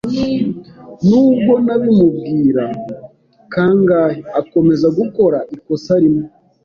Nubwo nabimubwira kangahe, akomeza gukora ikosa rimwe.